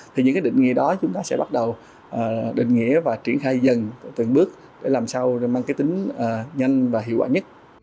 thì những cái định nghĩa đó chúng ta sẽ bắt đầu định nghĩa và triển khai dần từng bước để làm sao mang cái tính nhanh và hiệu quả nhất